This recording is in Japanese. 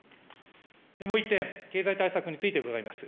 もう１点、経済対策について伺います。